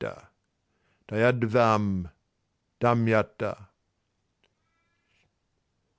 Dayadhvam. Damyata.